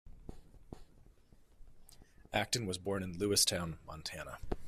Acton was born in Lewistown, Montana.